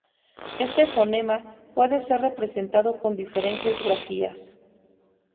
Este fonema puede ser representado con diferentes grafías.